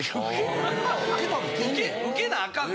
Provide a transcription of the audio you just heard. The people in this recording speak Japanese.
ウケなあかんの？